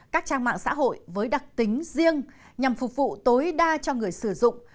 các trang mạng xã hội với đặc tính riêng nhằm phục vụ tối đa cho người sử dụng